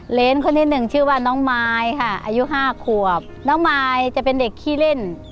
คนที่หนึ่งชื่อว่าน้องมายค่ะอายุห้าขวบน้องมายจะเป็นเด็กขี้เล่น